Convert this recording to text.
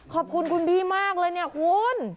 ขอบคุณคุณพี่มากเลยเนี่ยคุณ